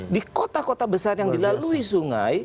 di kota kota besar yang dilalui sungai